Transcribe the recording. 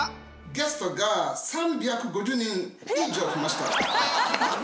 ゲストが３５０人以上来ました。